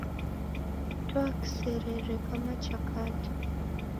Toa kiserere kama cha kata